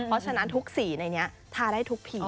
เพราะฉะนั้นทุกสีในนี้ทาได้ทุกผี